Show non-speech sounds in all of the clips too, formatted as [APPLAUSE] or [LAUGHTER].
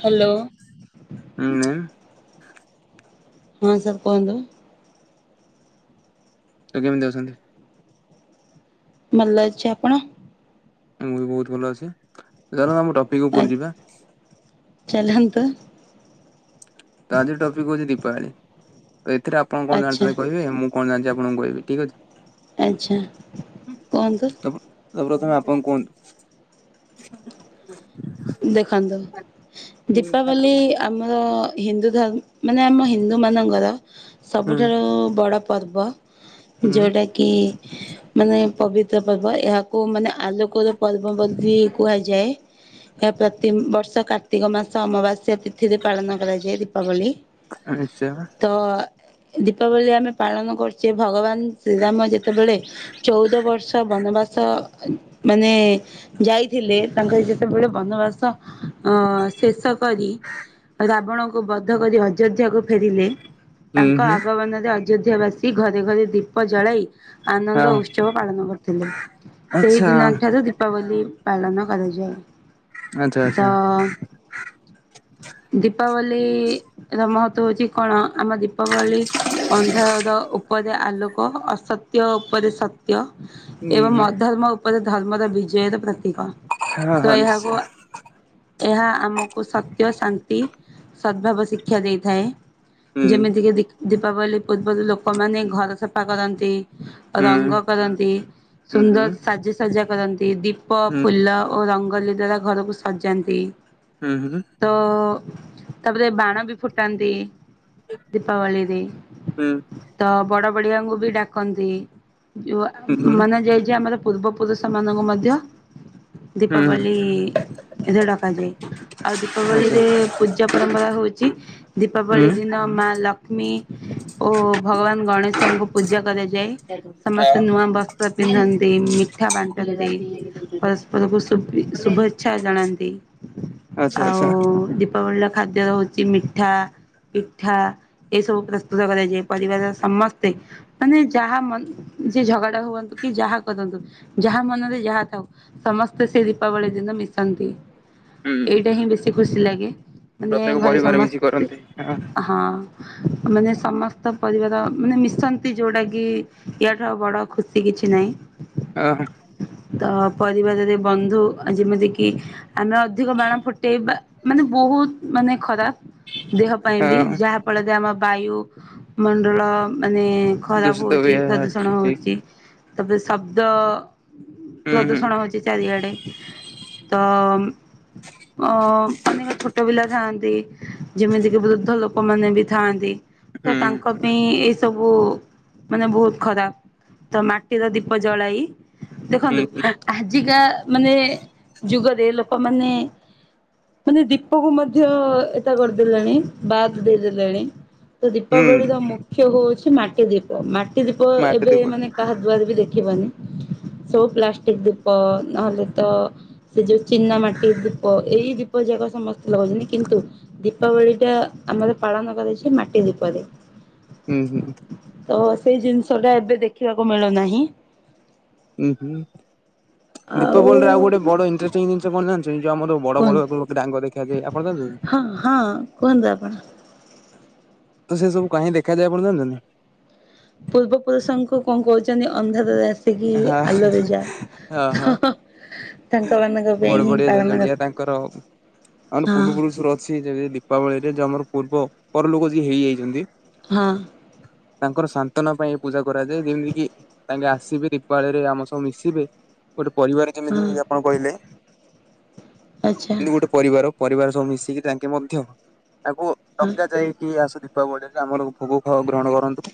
Hello. ହଁ sir କୁହନ୍ତୁ। ତୁ କେମିତି ଅଛନ୍ତି‍? ଭଲ ଅଛି। ଆପଣ? ମୁଁ ବି ବହୁତ ଭଲ ଅଛି ଚାଲେ ଆମେ ଟପିକ୍ ଉପରେ ଯିବା। ଚାଢାନ୍ତୁ। ତ ଆଜିର ଟପିକ୍ ହୋଉଚି ଦୀପାବଳି ତ ଏଥିରେ ଆ ଆପଣ କଣ ଆଚ୍ଛା ଜାଣିଛନ୍ତି କହିବେ ମୁଁ କଣ ଜଣିଚି ଆପଣଙ୍କୁ କହିବି ଠିକ୍ ଅଛି। ଆଚ୍ଛା କୁହନ୍ତୁ? ତ ତ ପ୍ରଥମେ ଆପଣ କୁହନ୍ତୁ। ଦେଖନ୍ତୁ ଦୀପାବଲି ଆମର ହିନ୍ଦୁ ଧର୍ମ ମାନେ ଆମ ହିନ୍ଦୁ ମାନଙ୍କର ହୁଁ ସବୁଠାରୁ ବଡ଼ ପର୍ବ। ହୁଁ ଯୋଉଟା କି ମାନେ ପବିତ୍ର ପର୍ବ ଏହାକୁ ମାନେ ଆଲୋକର ପର୍ବ ବୋଲି କୁହାଯାଏ ପ୍ରତି ବର୍ଷ କାର୍ତ୍ତିକ ମାସ ଅମାବାସ୍ୟା ତିଥିରେ ଥିରେ ପାଳନ କରାଯାଏ ଦୀପାବଳି ନିଶ୍ଚୟ ହୁଁ ତ ଦୀପାବଳି ଆମେ ପାଳନ କରୁଛେ ଭଗବାନ ଶ୍ରୀରାମ ଯେତେବେଳେ ଚଉଦ ବର୍ଷ ବନବାସ ମାନେ ଯାଇଥିଲେ ତାଙ୍କର ଯେତେବେଳେ ବନବାସ ଅ ଶେଷ କରି ରାବଣ ବଧ କରି ଅଯୋଧ୍ୟାକୁ ଫେରିଲେ ତାଙ୍କ ହୁଁ ଆଗମନରେ ଅଯୋଧ୍ୟାବାସୀ ଘରେ ଘରେ ଦୀପ ଜଳାଇ ଆନନ୍ଦ ହଁ ଉତ୍ସବ ପାଳନ କରିଥିଲେ। ସେଇ ଆଚ୍ଛା ଦିନ ଠାରୁ ଦୀ ପାବଲି ପାଳନ କରାଯାଏ। ଆଚ୍ଛା ତ ଆଚ୍ଛା। ଦୀପାବଳି ର ମହତ୍ତ୍ଵ ହଉଛି କଣ ଆମ ଦୀପାବଳି ଅନ୍ଧାର ଉପ ଉପରେ ଆଲୋକ, ଅସତ୍ୟ ଉପରେ ସତ୍ୟ, ହୁଁ ଏବଂ ହୁଁ ଅଧର୍ମ ଉପରେ ଧର୍ମର ବିଜୟ ପ୍ରତିିକ। ହଁ, ହଁ ନିଶ୍ଚୟ। ଏହା ଆମକୁ ସତ୍ୟ ଶାନ୍ତି ସଦଭାବ ଶିକ୍ଷା ହେଇଥାଏ। ହୁଁ ଯେମିତିକ ଦୀପାବଳି ପୂର୍ବରୁ ଲୋକମାନୋନ ଘର ସଫା କରନ୍ତି। ହୁଁ ରଙ୍ଗ କରନ୍ତି, ହୁଁ ହୁଁ ସୁନ୍ଦର ସାଜସଜା କରନ୍ତି, ଦୀପ ହୁଁ ଫୁଲ ଓ ରଙ୍ଗୋଲି ଦ୍ଵାରା ଘରକୁ ସଜାନ୍ତି। ହୁଁ, ହୁଁ। ତ ତାପରେ ବାଣ ବି ଫୁଟାନ୍ତି। ଦୀପାବଳି ରେ, ହୁଁ ତ ବଡ ବଡିଆଙ୍କୁ ବି ଡାକନ୍ତି। ଯୋ ହୁଁ ହୁଁ ହୁଁ ମାନେ [UNINTELLIGIBLE] ଆମର ପୂର୍ବପୁରୁଷମାନଙ୍କୁ ମଧ୍ୟ ଦୀପାବଳି ଏଥିରେ ଡକାଯାଏ। ଆଉ ଆଚ୍ଛା ଦୀପାବଳିରେ ପୂଜା ପରମ୍ପରା ହଉଛି ହୁଁ ଦୀପାବଳି ହଁ ଦିନ ମା ଲକ୍ଷ୍ମୀ ଓ ଭଗବାନ ଗଣେଶଙ୍କୁ ପୂଜା କରାଯାଏ। ସମସ୍ତେ ନୂଆ ବସ୍ତ୍ର ପିନ୍ଧନ୍ତି, ମିଠା ବାଣ୍ଟନ୍ତି, ପରସ୍ପରକୁ ଶୁଭେଚ୍ଛା ଜଣାନ୍ତି। ଆଚ୍ଛା ଆଚ୍ଛା ଆଉ ଦୀପାବଳୀର ଖାଦ୍ୟ ହଉଛି ମିଠା, ପିଠା, ଏସବୁ ପ୍ରସ୍ତୁତ କରାଯାଏ। ପରିବାରର ସମସ୍ତେ ମାନେ ଯାହା ମ ଯିଏ ଝଗଡା ହୁଅନ୍ତୁ, କି ଯାହା କରନ୍ତୁ ଯାହା ମନରେ ଯାହା ଥାଉ, ସମସ୍ତେ ସେ ଦୀପାବଳି ଦିନ ମିଶନ୍ତି। ହୁଁ ଏଇଟା ହିଁ ବେଶୀ ଖୁସି ଲାଗେ। ମାନେ ପ୍ରତ୍ୟେକ ଘରେ ପରିବାର ମିଶି ସମସ୍ତେ କରନ୍ତି। ହଁ। ମାନେ ସମସ୍ତ ପରିବାର ମାନେ ମିଶନ୍ତି ଯୋଉଟା କି ୟାଠୁ ଆଉ ବଡ ଖୁସି କିଛି ନାହିଁ। ଓହ। ତ ପରିବାରରେ ବନ୍ଧୁ ଯେମିତି କିି ଆମେ ଅଧିକ ବାଣ ଫୁଟେଇବା ମାନେ ବହୁତ ମାନେ ଖରାପ ଦେହ ପାଇଁ ବି ହଁ ଯାହା ଫଳରେ ଆମ ବାୟୁ ମଣ୍ଡଳ ମାନେ ଖରାପ ଦୂଷିତ ହଉଛି, ବି ପ୍ରଦୂଷଣ ଠିକ ହଉଛି, ତାପରେ ଶବ୍ଦ ହୁଁ ହୁଁ ପ୍ରଦୂଷଣ ହଉଛି ଚାରିଆଡେ। ତ ଅ ଅନେକ ଛୋଟ ପିଲା ଥାଆନ୍ତି, ଯେମିତି କିି ବୃଦ୍ଧ ଲୋକମାନେ ବି ଥାଆନ୍ତି ତ ହୁଁ ତାଙ୍କ ପାଇଁ ଏଇ ସବୁ ମାନେ ବହୁତ ଖରାପ ତ ମାଟିର ଦୀପ ଜଳାଇ ଦେଖନ୍ତୁ? ହୁଁ ଆଜିକା ମାନେ ଯୁଗରେ ଲୋକମାନେ ମାନେ ଦୀପକୁ ମଧ୍ୟ ଏକା କରିଦେଲେଣି ବାଦ ଦେଇଦେଲେଣି? ତ ହୁଁ ଦୀପାବଳିର ମୁଖ୍ୟ ହଉଛି ମାଟି ଦୀପ। ତମାଟିଦୀପ ମାଟି ଏବେ ଦେଇ ମାନେ କରୁଛନ୍ତି କାହା ଦ୍ଵାରବି ଦେଖିବନି। ସେଇ ପ୍ଲାଷ୍ଟିକ ଦୀପ ନହେଲେତ ସେଯୋଉ ଚିନା ମାଟି ଦୀପ ଏଇ ଦୀପ ଯାକ ସମସ୍ତେ ଲଗାଉଚନ୍ତି କିନ୍ତୁ ଦୀପାବଳିଟା ଆମର ପାଳନ କରାହଇଚି ମାଟି ଦୀପରେ ହୁଁ ହୁଁ। ତସେଇ ଜିନିଷଟା ଏବେ ଦେଖିବାକୁ ମିଳୁନାହିଁ। ଉୁଁ ହୁଁ ଦୀପାବଳିରେ ଆଉ ଗୋଟେ ବଡ଼ ଇଣ୍ଟଟିଂ ଜିନିଷ କଣ ଜାଣିଚନ୍ତି ଯଉ ଆମର ବଡ଼ କୁହନ୍ତୁ ବଡ଼ ଡ଼ାଙ୍ଗ ଦେଖାଯାଏ ଆପଣ ଜାଣିଚନ୍ତି? ହଁ ହଁ କୁହନ୍ତୁ ଆପଣ। ତ ସେସବୁ କାହିଁ ଦେଖାଯାଇ ଆପଣ ଯାଣିଚନ୍ତି? ପୂର୍ବ ପୁରୁଷଙ୍କୁ କଁ କହୁଚନ୍ତି ଅନ୍ଧାରେ ଆସି ଆସିକି ହଁ ଆଲୁଅରେ ହଁ ହଁ ଯାଅ ତାଙ୍କ ମାନଙ୍କ ବଡ ପାଇଁହିଁ ବଡିଆ ପାଳନ ଜଡିଆ ତାଙ୍କର ଆମର ହଁ। ପୂର୍ବ ପୁରୁଷରୁ ଅଛି ଯଦି ଦୀପାବଳିରେ ଯୋଉ ଆମର ପୂର୍ବ ପରଲୋକ ଯିଏ ହେଇଯାଇଚନ୍ତି। ହଁ। ତାଙ୍କର ସାନ୍ତନା ପାଇଁ ଏପୂଜା କରାଯାଏ ଯେମିତିକିି ତାଙ୍କେ ଆସିବେ ଦୀପାଳିରେ ଆମ ସହ ମିଶିବେ ଗୋଟେ ପରିବାର ଯେମିତି ହଁ ଆପଣ କହିଲେ ଆଚ୍ଛା ଗୋଟେ ପରିବାର ପରିବାର ସବୁ ମିଶିକି ତାଙ୍କେ ମଧ୍ୟ ତାଙ୍କୁ ହଁ ଡକା ଯାଇକି ଆସ ଦୀପାବଳିରେ ଆମର ଭୋଗ ଗ୍ରହଣ କରନ୍ତୁ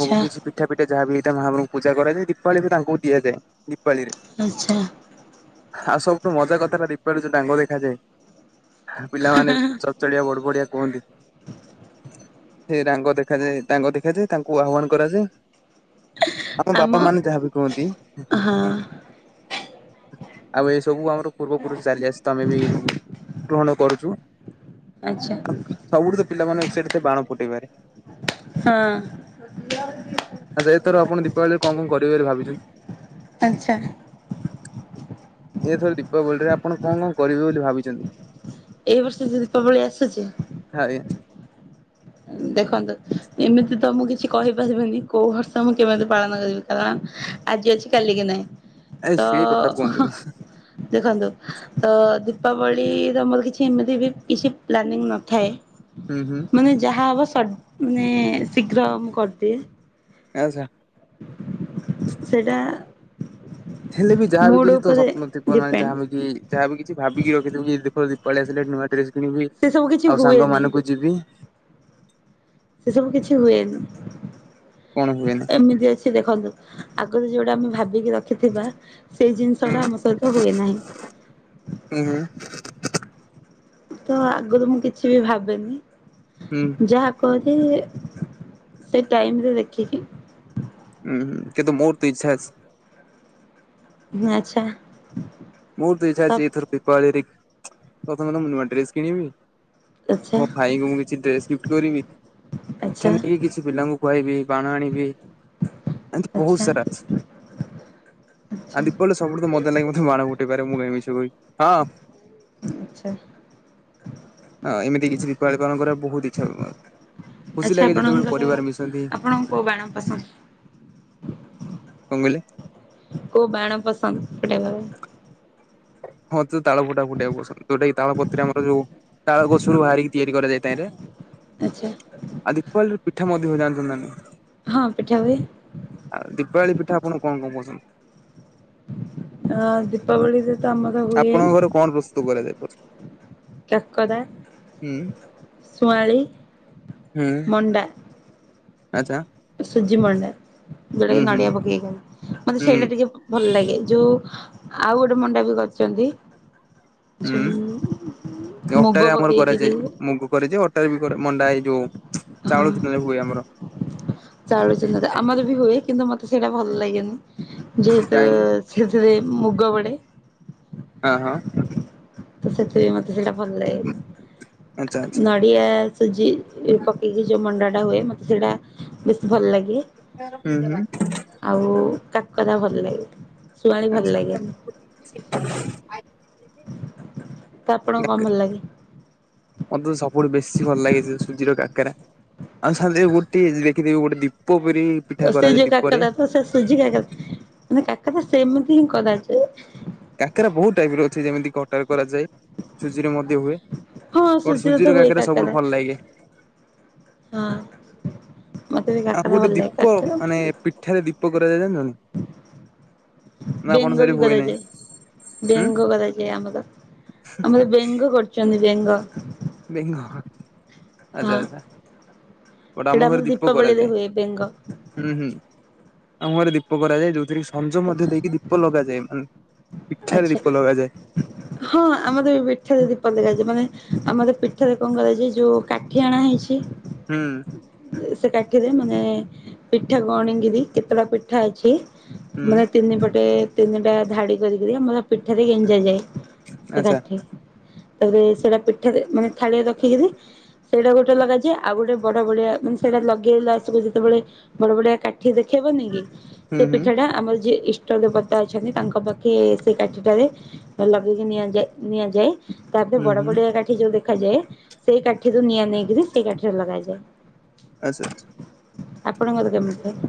ଭୋଗ କିଛି ପିଠା ପିଠା ଯାହାବି ହେଇଥାଏ ମହାମାୟୀ ପୂଜା କରାଯାଏ ଦୀପାଳିବି ତାଙ୍କୁ ଦିଆଯାଏ ଦୀପାଳିରେ ଆଚ୍ଛା। ଆଉ ସବୁଠୁ ମଜା କଥାଟା ଦୀପାଳୀ ଯୋଉଡାଙ୍ଗ ଦେଖାଯାଏ ପିଲାମାନେ ଚଡ଼ଚଡ଼ିଆ ବଡ଼ ବଡ଼ିଆ କୁହନ୍ତି। ସେଡାଙ୍ଗ ଦେଖାଯାଏ ଡାଙ୍ଗ ଦେଖାଯାଏ ତାଙ୍କୁ ଆହ୍ୱାନ କରାଯାଏ ଆମ ବାପା ମାନେ ଯାହାବି କୁହନ୍ତି ହଁ। ଆଉ ଏଇ ସବୁ ଆମର ପୂର୍ବପୁରୁଷ ଚାଲି ଆସିତ ଆମେବି ଗ୍ରହଣ କରୁଚୁ ଆଚ୍ଛା ସବୁଠୁତ ପିଲାମାନେ ଏକସାଇଟେଡ୍ ବାଣ ଫୁଟେଇବାରେ ହଁ। ଆଚ୍ଛା ଏଥର ଆପଣ ଦୀପାବଳିରେ କଁ କଁ କରିବେ ବୋଲି ଭାବିଚନ୍ତି? ଆଚ୍ଛା। ଏଥରେ ଦୀପାବଳିରେ ଆପଣ କଁ କଁ କରିବେ ବୋଲି ଭାବିଚନ୍ତି? ଏଇ ବର୍ଷ ଯଉ ଦୀପାବଳି ଆସୁଚି? [UNINTELLIGIBLE] ଦେଖନ୍ତୁ ଏମିତିତ ମୁଁ କିଛି କହିପାରିବିନି କୋଉ ବର୍ଷ ମୁଁ କେମିତି ପାଳନ କରିବି କାରଣ ଆଜି ଅଛି କାଲିକିି ନାହିଁ ଏ ତ ସେଇ କଥା ଅଁ ହଁ କୁହନ୍ତୁନି ଦେଖନ୍ତୁ ତ ଦୀପାବଳିର ମୋର କିଛି ଏମିତିବି କିଛି ପ୍ଲାନିଂ ନଥାଏ ହୁଁ ହୁଁ। ମାନେ ଯାହା ହେବ ସଟ୍ ମାନେ ଶୀଘ୍ର ମୁଁ କରିଦିଏ ଆଚ୍ଛା। ସେଟା ହେଲେବି ଯାହାବି କିଛିତ ସ୍ୱପ୍ନ ଥିବନା ଡିପେଣ୍ଡ। ଯାହାବି ଯାହାବି କିଛି ଭାବିକି ରଖିଥବିକି ଦୀପ ଦୀପାବଳି ଆସିଲେ ନୂଆ ଡ୍ରେସ୍ କିଣିବି ସେ ସବୁ କିଛି ଆଉ ହୁଏନି ସାଙ୍ଗମାନଙ୍କୁ ଯିବି ସେସବୁ କିଛି ହୁଏନି କଣ ହୁଏନି। ଏମିତି ଅଛି ଦେଖନ୍ତୁ? ଆଗରୁ ଯେଉଁଟା ଆମେ ଭାବିକି ରଖିଥିବା ସେଇ ହୁଁ ଜିନିଷଟା ଆମ ସହିତ ହୁଏ ନାହିଁ। ହୁଁ ହୁଁ। ତ ଆଗରୁ ମୁଁ କିଛିବି ଭାବେନି। ଉଁ। ଯାହା କରେ ସେ ଟାଇମରେ ଦେଖିକି ଉଁ କିନ୍ତୁ ମୁଁ ତିଇଚ୍ଛା ଆଚ୍ଛା। ବହୁତୁ ଇଚ୍ଛା ତ ଅଛି ଏଇଥର ପିପାବଳିରେ ପ୍ରଥମତ ମୁଁ ନୂଆ ଡ୍ରେସ କିଣିବି। ଆଚ୍ଛା ମୋ ଭାଇଙ୍କୁ ମୁଁ କିଛି ଡ୍ରେସ ଗିଫଟ୍ କରିବି ଆଚ୍ଛା ଠା ନେଇକି କିଛି ପିଲାଙ୍କୁ ଖୁଆଇବି ବାଣ ଆଣିବି ଏମତି ବହୁତୁ ଆଚ୍ଛା ସାରା ଅଛି। ଆଉ ଆଚ୍ଛା ଦୀପାଳିରେ ସବୁଠୁ ତ ମଜା ଲାଗେ ମତେ ବାଣ ଫୁଟେଇବାରେ ମୁଁ କାଇଁ ମିଛ କହିବି ହଁ। ଆଚ୍ଛା ଆ ଏମିତି କିଛି ଦୀପାବଳି ପାଳନ କରିବା ବହୁତୁ ଇଚ୍ଛା। ଖୁସି ଆଚ୍ଛା ଲାଗେ ଯେତେବେଳେ ଆପଣଙ୍କର ପରିବାର ମିଶନ୍ତି। ଆପଣଙ୍କୁ କୋଉ ବାଣ ପସନ୍ଦ କଣ କହିଲେ? କୋଉ ବାଣ ପସନ୍ଦ ଫୁଟେଇବା ପାଇଁ? ହଁ ତ ତାଳ ଫୁଟାକା ଫୁଟେଇବାକୁ ପସନ୍ଦ ଯୋଉଟାକି ତାଳପତ୍ର ଆମର ଯୋଉ ତାଳଗୋସରୁ ବାହାରିକି ତିଆରି କରାଯାଇଥାଏରେ। ଆଚ୍ଛା ଆଉ ଦୀପାଳିରେ ପିଠା ମଧ୍ୟ ଜାଣିଚନ୍ତି ନାଁଇ? ହଁ ପିଠା ହୁଏ। ଆଉ ଦୀପାବଳି ପିଠା ଆପଣଙ୍କୁ କଣ କଣ ପସନ୍ଦ? ଅଁ ଦୀପାବଳିରେ ତ ଆମର ହୁଏ ଆପଣଙ୍କ ଘରେ କଣ ପ୍ରସ୍ତୁତ କରାଯାଏ ପ୍ରସ୍ତୁ କାକରା ଶୁଆଁଳି ହୁଁ। ମଣ୍ଡା। ଆଚା। ସୁଜି ମଣ୍ଡା ଯୋଉଟାକି ହୁଁ ନଡିଆ ପକେଇକି କରନ୍ତି ମତେ ହୁଁ ସେଇଟା ଟିକେ ଭଲ ଲାଗେ। ଯୋଉ ଆଉ ଗୋଟେ ମଣ୍ଡା ବି କରିଚନ୍ତି ଉଁ ମୁଗ ଅଟାରେ ଆମର ପକେଇକିରି କରାଯାଏ ମୁଗ କରାଯାଏ ଅଟ ଅଟା ରେ ବି କରା ମଣ୍ଡା ଏଇ ଯୋଉ ହଁ ଚାଉଳ ଚୂନା ହୁଏ ଆମର। ଚାଉଳ ଚୂନାରେ ଆମର ବି ହୁଏ କିନ୍ତୁ ମତେ ସେଇଟା ଭଲ ଲାଗେନି ଯେହେତୁ କାହିଁକି ସେଥିରେ ମୁଗ ବଡ଼େ। ହଁ ହଁ। ତ ସେଥିରେ ମତେ ସେଇଟା ଭଲ ଆଚ୍ଛା ଲାଗେନି ନଡ଼ିଆ ସୁଜି ପକେଇକି ଯେଉଁ ମଣ୍ଡାଟା ହୁଏ ମୋତେ ସେଇଟା ବେଶୀ ଭଲ ଲାଗେ। ଆଚ୍ଛା ହୁଁ ହୁଁ ଆଉ କାକରା ଭଲ ଲାଗେ ଶୁଆଣି ଭଲ ଲାଗେନି। ଆ [UNINTELLIGIBLE] ତ ଆପଣଙ୍କୁ କଣ ଭଲ ଲାଗେ? ମତେ ତ ସବୁଠୁ ବେଶୀ ଭଲ ଲାଗେ ଯୋ ସୁଜିର କାକେରା। ଆଉ ସାଙ୍ଗ ଗୋଟେଖିଥିବି ଗୋଟେ ଦୀପ ପୁରି [UNINTELLIGIBLE] ସେ ଯୋଉ କାକେରା ତ ସେ ସୁଜି କାକେରା ମାନେ କାକେରା ସେମିତି ହିଁ କରାଯାଏ। କାକେରା ବହୁତୁ ଟାଇପିର ଅଛି ଯେମିତି କଟାରେ କରାଯାଏ। ସୁଜିରେ ମଧ୍ୟ ହୁଏ ହଁ ଗୋଟେ ସୁଜିରେ ତ ସୁଜିର ହୁଏ କାକେରା ସବୁଠୁ କାକରା। ଭଲ ଲାଗେ। ହଁ ମତେ ବି କାକେରା ଭଲ ଲାଗେ କାକେରା ଏଠାରେ ଦୀପ କରାଯାଇ ଜାଣିନାହାନ୍ତି? ବେଙ୍ଗ ବି ହୁଏ ନାହିଁ କରାଯାଏ ହୁଁ ବେଙ୍ଗ କରାଯାଏ ଆମର ଆମର ବେଙ୍ଗ ଚନ୍ଦୀ ବେଙ୍ଗ ବେଙ୍ଗହ ଆଚ୍ଛା ହଁ। ଆଚ୍ଛା ଗୋଟା ସେଇଟା ମୋହର ଆମର ଦୀପ ଦୀପାବଳିରେ କରାଯାଏ। ହୁଏ ବେଙ୍ଗ ହୁଁ ହୁଁ ଆମ ଘରେ ଦୀପ କରାଯାଏ ଯୋଉଥିରେ କି ସଞ୍ଜ ମଧ୍ୟ ଦେଇକି ଦୀପ ଲଗାଯାଏ। ପିଠାରେ ଆଚ୍ଛା। ଦୀପ ଲଗାଯାଏ। ହଁ ଆମର ପୀଠରେ ଦୀପ ଦେଖାାଯଛି ମାନେ ଆମର ପିଠରେ କଣ କରାଯଛି ଯୋଉ କାଠିଆଣା ହେଇଛି। ହୁଁ। ସେ କାଠିରେ ମାନେ ପିଠାକୁଣିକିରି କେତେଟା ପିଠା ଅଛି। ହୁଁ ମାନେ ତିନି ପଟେ ତିନିଟା ଧାଡି କରିକିରି ଆମର ପିଠରେ ଗେଞ୍ଜ ଯାଏ। ସେ ଆଚ୍ଛା କାଠି ତାପରେ ସେଟା ପିଠା ମାନେ ଥାଳିଆ ରଖିକିରି ସେଇଟା ଗୋଟେ ଲଗାଯାଏ ଆଉ ଗୋଟେ ବଡ ବଢିଆ ମାନେ ସେଇଟା ଲଗେଇଲା ସବୁ ଯେତେବେଳେ ବଡ ବଡଆ କାଠି ଦେଖେଇବନି କି ସେ ହୁଁ ହୁଁ ପିଠା ଟା ଆମର ଯିଏ ଇଷ୍ଟ ଦେବତା ଅଛନ୍ତି ତାଙ୍କ ପାଖ ସେଇ କାଠଟାରେ ଲଗେଇକି ନିଆଯାଏ ନିଆଯାଏ ତାପରେ ହୁଁ ବଡ ହୁଁ ବଡିଆ କାଠ କାଠି ଯୋଉ ଦେଖାଯାଏ ସେଇ କାଠିରୁୁ ନିଆଁ ନେଇକିରି ସେଇ କାଠିରେ ଲଗାଯାଏ। ଆ ଆପଣଙ୍କର କେମିତି ଥାଏ?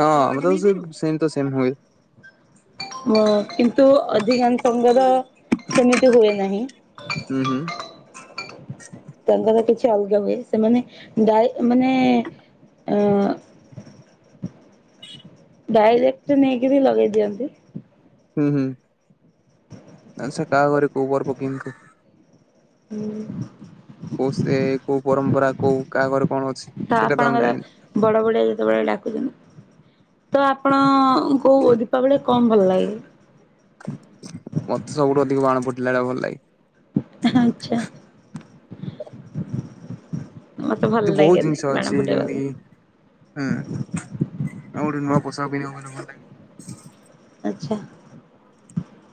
ହଁ ଆମର ସେମ ତ ସେମ ହୁଏ। କିନ୍ତୁ ଅଧିକାଂ ସଙ୍ଗର ସେମିତି ହୁଏ ନାହିଁ। ହୁଁ ହୁଁ। ତାଙ୍କର କିଛି ଅଲଗା ହୁଏ ସେମାନେ ଯାଇ ମାନେ ଅ ଡାଇରେକ୍ଟ ନେଇକରି ଲଗେଇ ଦିଅନ୍ତି। ହୁଁ ହୁଁ ଆଛା କାହା ଘରେ କୋଉ ବର ପକିଙ୍କୁୁ ହୁଁ। କୋଉ ସେ କୋଉ ପରମ୍ପରା କୋଉ କାହାଘରେ କଣ ଅଛି ସେଇଟା ତ ଆମେ ଜାଣିନୁ। ବଡ଼ ବଡ଼ିଆ ଯେତେବେଳେ ଡାକୁଛନ୍ତି। ତ ଆପଣ କୋଉ ଦୀପାବଳୀ ରେ କଣ ଭଲ ଲାଗେ। ମତେ ସବୁଠୁ ଅଧିକ ବାଣ ଫୁଟିଲା ଭଲ ଲାଗେ। ଆଚ୍ଛା। ମତେ ଭଲ ଏମିତି ବହୁତ ଜିନିଷ ଲାଗେନି ଅଛି ବାଣ ଯେମିତି ଫୁଟେଇବାକୁ। କି ହୁଁ ଆଉ ଗୋଟେ ନୂଆ ପୋଷାକ [UNINTELLIGIBLE] ଆଚ୍ଛା।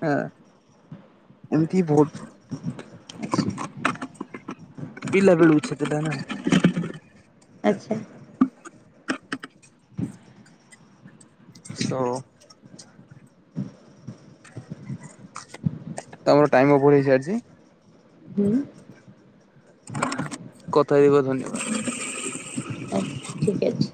ଆଃ ଏମିତି ଭୋଉତ ଆଚ୍ଛା। ପିଲା ବେଳୁ [UNINTELLIGIBLE] ନା। ଆଚ୍ଛା। ତ ତମର ଟାଇମ ଓଭର ହେଇସାରିଛି। ହୁଁ। କଥା ହେଇ ଧନ୍ୟବାଦ। ଆ ଠିକ ଅଛି।